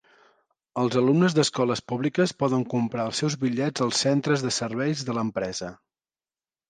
Els alumnes d'escoles públiques poden comprar els seus bitllets als centres de serveis de l'empresa.